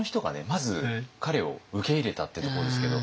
まず彼を受け入れたっていうところですけど。